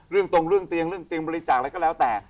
เรื่องตรงเรื่องเตียงเรื่องเตียงบริจาคอะไรก็แล้วแต่